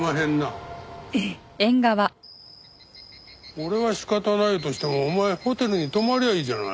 俺は仕方ないとしてもお前ホテルに泊まりゃいいじゃない。